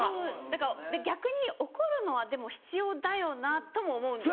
だから逆に怒るのはでも必要だよなとも思うんです。